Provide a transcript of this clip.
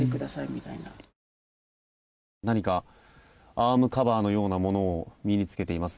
アームカバーのようなものを身に着けています。